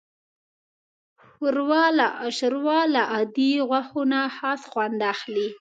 ښوروا له عادي غوښو نه خاص خوند اخلي.